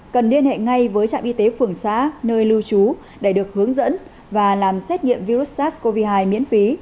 cần liên hệ ngay với trạm y tế phường xã nơi lưu trú để được hướng dẫn và làm xét nghiệm virus sars cov hai miễn phí